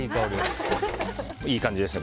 いい感じですね。